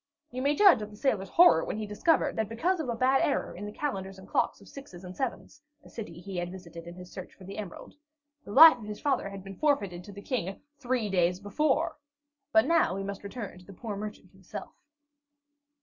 You may judge of the sailor's horror when he discovered that because of a bad error in the calendars and clocks of Sixes and Sevens (a city he had visited in his search for the emerald), the life of his father had been forfeited to the King three days before! But now we must return to the poor merchant himself.